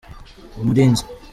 umurinzi.